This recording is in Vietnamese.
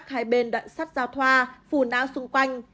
khai bên đoạn sắt dao thoa phù não xung quanh